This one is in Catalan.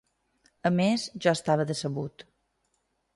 A més, jo estava decebut.